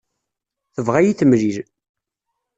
Tebɣa ad yi-temlil.